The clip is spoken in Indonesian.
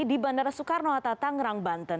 di bandara soekarno hatata ngerang banten